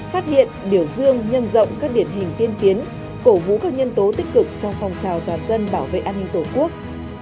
phát hiện biểu dương nhân rộng các điển hình tiên tiến cổ vũ các nhân tố tích cực trong phong trào toàn dân bảo vệ an ninh tổ quốc